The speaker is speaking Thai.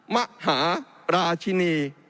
มหาราชินี